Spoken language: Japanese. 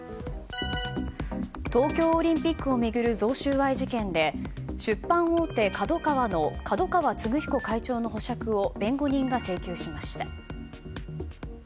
東京オリンピックを巡る贈収賄事件で出版大手ＫＡＤＯＫＡＷＡの角川歴彦会長の保釈を弁護人が請求しました。